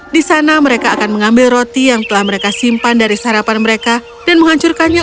di sana mereka akan mengambil roti yang telah mereka simpan dari sarapan mereka dan menghancurkannya